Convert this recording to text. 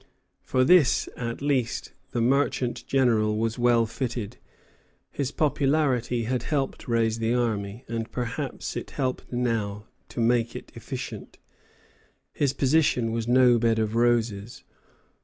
For this, at least, the merchant general was well fitted. His popularity had helped to raise the army, and perhaps it helped now to make it efficient. His position was no bed of roses.